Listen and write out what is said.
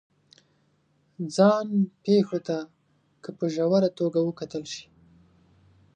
ځان پېښو ته که په ژوره توګه وکتل شي